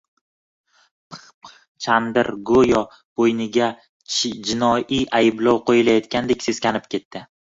Pixpix Chandr go‘yo bo‘yniga jinoiy ayblov qo‘yilayotgandek seskanib ketdi